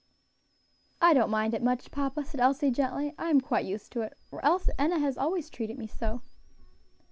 "I don't mind it much, papa," said Elsie gently, "I am quite used to it, for Enna has always treated me so."